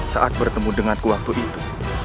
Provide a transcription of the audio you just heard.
saat bertemu denganku waktu itu